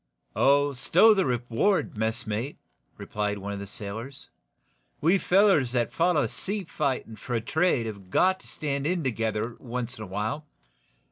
"Oh, stow the reward, messmate," replied one of the sailors. "We fellers that foller seafighting for a trade have got to stand in together once in a while.